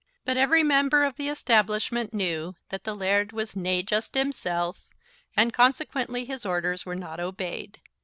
But every member of the establishment knew that the laird was "nae just himself," and consequently his orders were not obeyed.